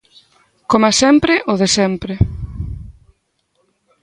Coma sempre, o de sempre.